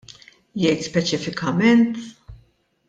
Jgħid speċifikament?